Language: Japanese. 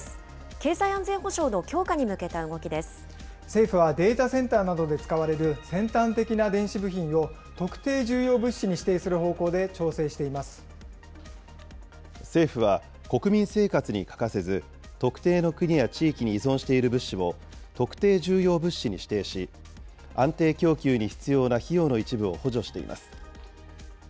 経済安全保障の強化に向けた動き政府はデータセンターなどで使われる先端的な電子部品を、特定重要物資に指定する方向で調整政府は国民生活に欠かせず、特定の国や地域に依存している物資を特定重要物資に指定し、安定供給に必要な費用の一部を補助しています。